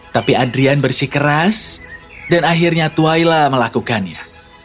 tapi adrian bersih keras dan akhirnya twaila melakukannya